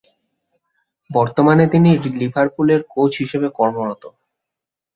বর্তমানে তিনি লিভারপুলের কোচ হিসেবে কর্মরত।